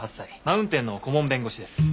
マウンテンの顧問弁護士です。